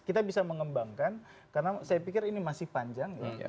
kita bisa mengembangkan karena saya pikir ini masih panjang